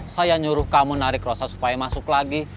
saya nyuruh kamu narik rosa supaya masuk lagi